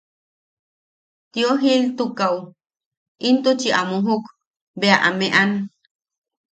Tio Giltukaʼu intuchi a mujuk bea a meʼean.